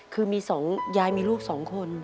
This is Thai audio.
คือมี๒ยายมีลูก๒คน